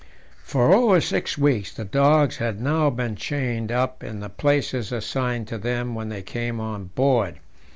For over six weeks the dogs had now been chained up in the places assigned to them when they came on board.